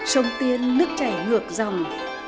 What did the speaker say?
sông tiên nước chảy ngược dòng